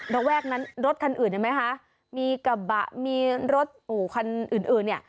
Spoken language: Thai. ระแวกนั้นรถคันอื่นเห็นไหมคะมีกระบะมีรถอู่คันอื่นอื่นเนี่ย